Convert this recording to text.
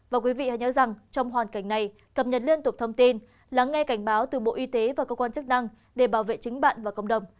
và quý vị hãy nhớ rằng trong hoàn cảnh này cập nhật liên tục thông tin lắng nghe cảnh báo từ bộ y tế và cơ quan chức năng để bảo vệ chính bạn và cộng đồng